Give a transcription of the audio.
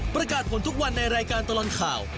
ประกาศผลทุกวันในรายการตลอดข่าว